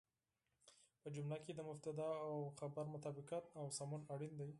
په جمله کې د مبتدا او خبر مطابقت او سمون اړين دی.